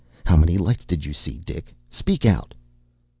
How many lights did you see, Dick? Speak out!